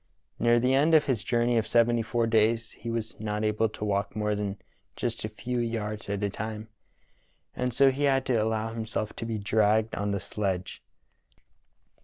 Near the end of his journey of seventy four days he was not able to walk more than a few yards at a time, and so had to allow himself to be dragged on the sledge.